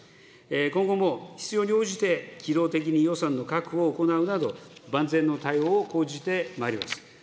今後も必要に応じて機動的に予算の確保を行うなど、万全の対応を講じてまいります。